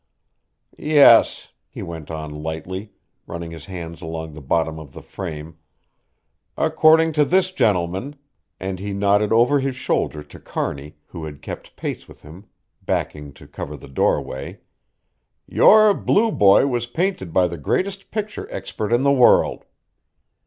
"Yes," he went on lightly, running his hand along the bottom of the frame, "according to this gentleman," and he nodded over his shoulder to Kearney, who had kept pace with him, backing to cover the doorway, "your 'Blue Boy' was painted by the greatest picture expert in the world!"